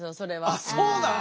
あっそうなん？